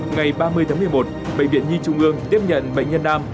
ngày ba mươi tháng một mươi một bệnh viện nhi trung ương tiếp nhận bệnh nhân nam